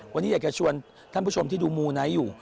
วันนี้อยากจะชวนท่านผู้ชมที่ดูมูไนท์อยู่